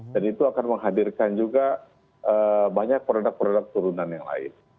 dan itu akan menghadirkan juga banyak produk produk turunan yang lain